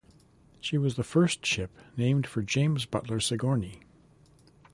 She was the first ship named for James Butler Sigourney.